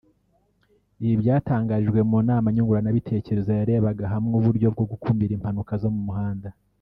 Ibi byatangarijwe mu nama nyunguranabitekerezo yareberaga hamwe uburyo bwo gukumira impanuka zo mu muhanda